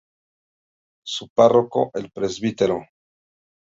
Su párroco el Pbro.